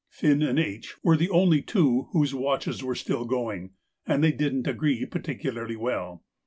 (Finn and H. were the only two whose watches were still going, and they didn't agree particularly well.)